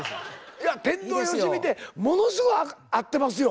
いや「天童よしみ」ってものすごい合ってますよ。